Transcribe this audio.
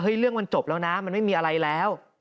เรื่องมันจบแล้วนะมันไม่มีอะไรแล้ว